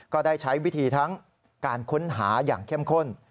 ก็ได้ใช้วิธีทั้งการค้นหาอย่างเข้มข้น